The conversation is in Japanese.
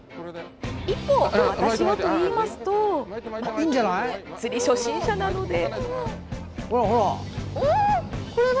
一方、私はといいますと釣り初心者なので。